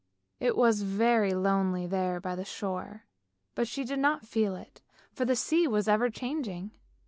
It was very lonely there by the shore, but she did not feel it, for the sea was ever changing.